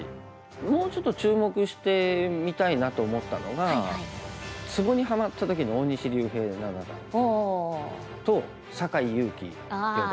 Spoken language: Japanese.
もうちょっと注目して見たいなと思ったのがツボにハマった時の大西竜平七段と酒井佑規四段。